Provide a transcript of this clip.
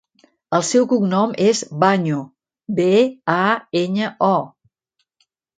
El seu cognom és Baño: be, a, enya, o.